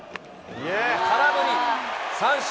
空振り三振。